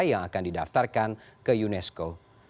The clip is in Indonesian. yang akan didaftarkan ke unesco